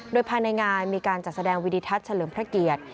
โดยภายในงานมีการจัดแสดงวิดิทัศน์เฉลิมพระเกียรติ